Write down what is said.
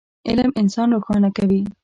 علم انسان روښانه کوي.